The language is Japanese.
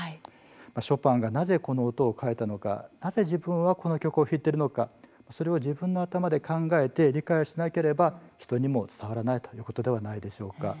ショパンはなぜこの音を書いたのかなぜ自分はこの曲を弾いていくのかそれを自分の頭で考えて理解しなければ人には伝わらないということではないでしょうか。